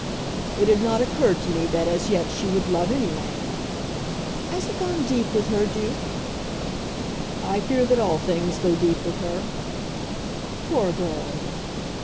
"It had not occurred to me that as yet she would love any man." "Has it gone deep with her, Duke?" "I fear that all things go deep with her." "Poor girl!"